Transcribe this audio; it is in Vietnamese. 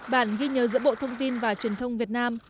bản ghi nhớ giữa bộ thông tin và truyền thông việt nam